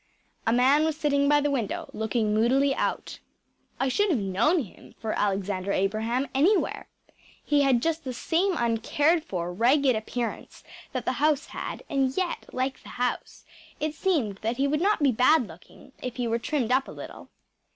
A man was sitting by the window, looking moodily out. I should have known him for Alexander Abraham anywhere. He had just the same uncared for, ragged appearance that the house had; and yet, like the house, it seemed that he would not be bad looking if he were trimmed up a little.